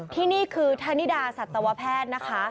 ที่นี่คือธานิดาสัตวแพทย์